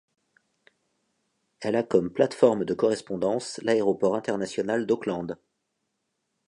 Elle a comme plateforme de correspondance l'aéroport international d'Auckland.